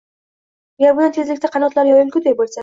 Agar bunday tezlikda qanotlari yoyilguday bo‘lsa